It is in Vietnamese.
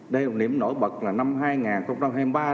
đây là một niệm nổi bật là năm hai nghìn hai mươi ba đó